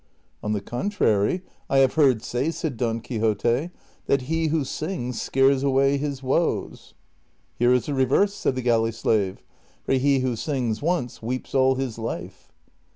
" On the contrary, I have heard say," said Don Quixote, " that he who sings scares away his woes." ^" Here is the reverse," said the galley slave ;" for he who sings once weeps all his life."